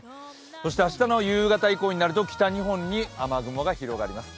そして明日の夕方以降になると北日本に雨雲が広がります。